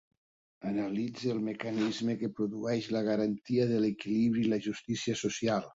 Analitze el mecanisme que produeix la garantia de l’equilibri i la justícia social.